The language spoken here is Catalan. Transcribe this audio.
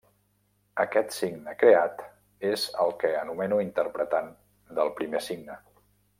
Aquest signe creat és el que anomeno interpretant del primer signe.